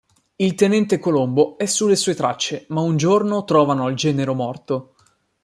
Il tenente Colombo è sulle sue tracce ma un giorno trovano il genero morto.